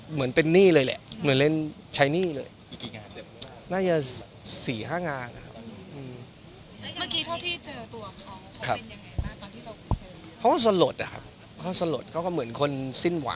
เหมือนเป็นหนี้เลยแหละเหมือนเล่นใช้หนี้เลยอีกกี่งานน่าจะสี่ห้างานอ่ะครับอืม